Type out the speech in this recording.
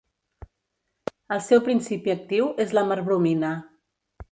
El seu principi actiu és la merbromina.